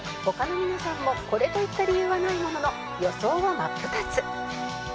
他の皆さんもこれといった理由はないものの予想は真っ二つ